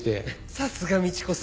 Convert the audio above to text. さすが倫子さん。